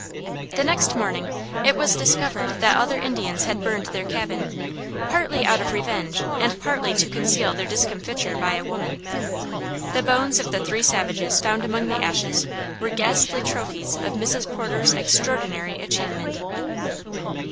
The next morning it was discovered that other Indians had burned their cabin, partly out of revenge and partly to conceal their discomfiture by a woman. The bones of the three savages found among the ashes were ghastly trophies of Mrs. Porter's extraordinary achievement.